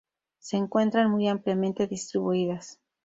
Se encuentran muy ampliamente distribuidas.